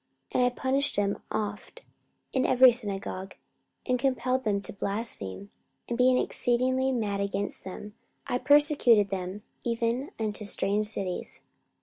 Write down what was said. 44:026:011 And I punished them oft in every synagogue, and compelled them to blaspheme; and being exceedingly mad against them, I persecuted them even unto strange cities.